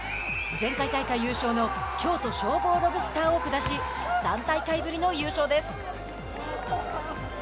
前回大会優勝の京都消防ろぶすたぁを下し３大会ぶりの優勝です。